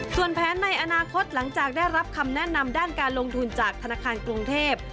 ส่วนแผนในอนาคตหลังจากได้รับคำแนะนำด้านการลงทุนจากธนาคารกรุงเทพ